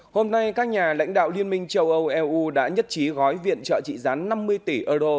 hôm nay các nhà lãnh đạo liên minh châu âu eu đã nhất trí gói viện trợ trị gián năm mươi tỷ euro